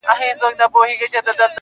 ځکه لا هم پاته څو تڼۍ پر ګرېوانه لرم.